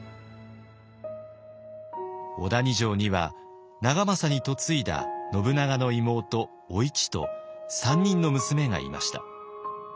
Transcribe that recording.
小谷城には長政に嫁いだ信長の妹お市と３人の娘がいました。